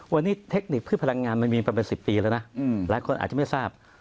วันนี้เทคนิคพืชพลังงานมันมีมาเป็น๑๐ปีแล้วนะหลายคนอาจจะไม่ทราบ